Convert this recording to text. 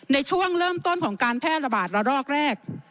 ในช่วงเริ่มต้นของการแพร่ระบาดระลอกแรก